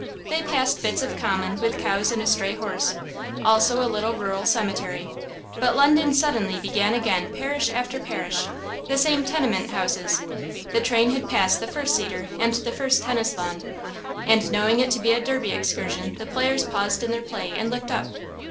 They passed bits of common with cows and a stray horse, also a little rural cemetery; but London suddenly began again parish after parish, the same blue roofs, the same tenement houses. The train had passed the first cedar and the first tennis lawn. And knowing it to be a Derby excursion the players paused in their play and looked up.